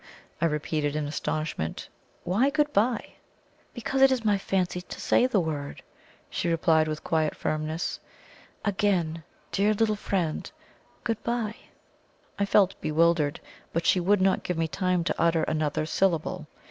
I repeated in astonishment; "why 'good bye'?" "Because it is my fancy to say the word," she replied with quiet firmness. "Again, dear little friend, good bye!" I felt bewildered, but she would not give me time to utter another syllable.